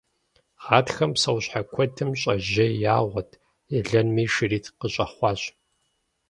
Гъатхэм псэущхьэ куэдым щӀэжьей ягъуэт, елэнми шыритӀ къыщӀэхъуащ.